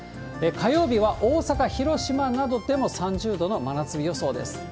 火曜日は大阪、広島などでも３０度の真夏日予想です。